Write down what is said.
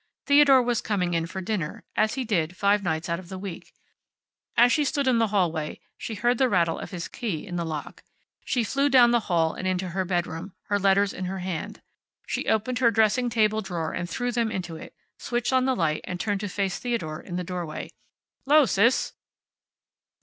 Theodore was coming in for dinner, as he did five nights out of the week. As she stood in the hallway, she heard the rattle of his key in the lock. She flew down the hall and into her bedroom, her letters in her hand. She opened her dressing table drawer and threw them into it, switched on the light and turned to face Theodore in the doorway. "'Lo, Sis."